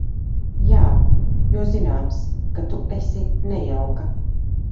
Jā, jo zināms, ka tu esi nejauka.